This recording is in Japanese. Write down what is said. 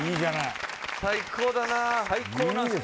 最高だな。